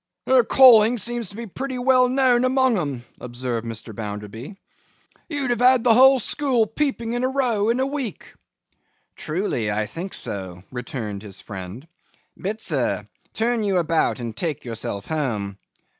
'Her calling seems to be pretty well known among 'em,' observed Mr. Bounderby. 'You'd have had the whole school peeping in a row, in a week.' 'Truly, I think so,' returned his friend. 'Bitzer, turn you about and take yourself home.